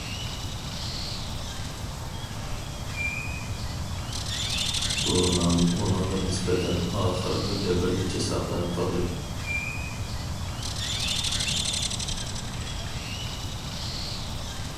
بۇ نام ئۇنىڭغا نىسبەتەن ئاخىرقى دەۋرگىچە ساقلىنىپ قالدى.